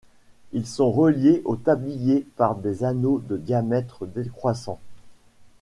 Ils sont reliés au tablier par des anneaux de diamètre décroissant.